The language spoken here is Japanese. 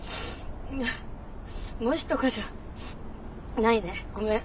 もしとかじゃないねごめん。